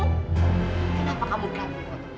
kenapa kamu melakukan ini